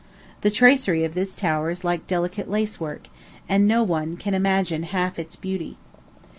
The tracery of this tower is like delicate lacework, and no one can imagine half its beauty.